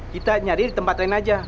kita nyari di tempat lain aja